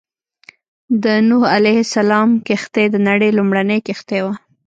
د نوح عليه السلام کښتۍ د نړۍ لومړنۍ کښتۍ وه.